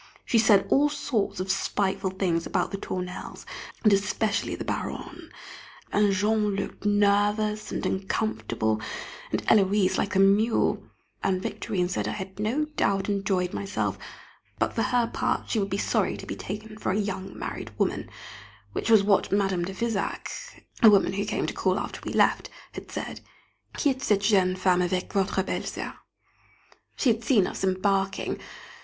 She said all sorts of spiteful things about the Tournelles, and especially the Baronne; and Jean looked nervous and uncomfortable, and Héloise like a mule; and Victorine said I had no doubt enjoyed myself, but for her part she would be sorry to be taken for a "young married woman," which was what Madame de Visac (a woman who came to call after we left) had said "Qui est cette jeune femme avec votre belle soeur?" [Sidenote: Modest Maidens] She had seen us embarking.